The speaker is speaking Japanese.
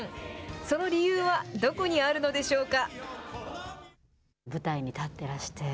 その理由はどこにあるのでしょうか。